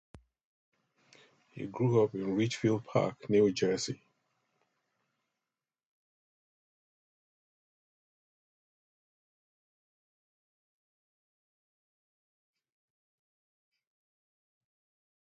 He grew up in Ridgefield Park, New Jersey.